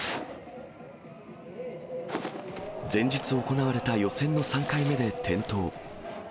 前日行われた予選の３回目で転倒。